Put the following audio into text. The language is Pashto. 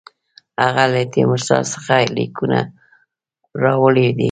هغه له تیمورشاه څخه لیکونه راوړي دي.